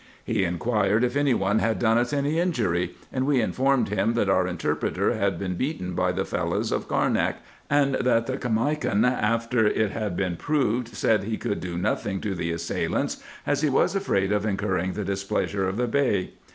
He inquired if any one had done us any injury ; and we informed him, that our interpreter had been beaten by the Fellahs of Carnak, and that the Caimakan, after it had been proved, said he could do nothing to the assailants, as he was afraid of incurring the displeasure of the Bey.